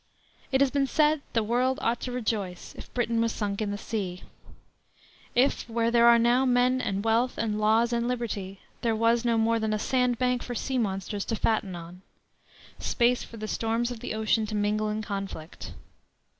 "It has been said the world ought to rejoice if Britain was sunk in the sea; if where there are now men and wealth and laws and liberty, there was no more than a sand bank for sea monsters to fatten on; space for the storms of the ocean to mingle in conflict.